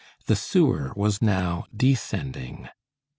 The sewer was now descending.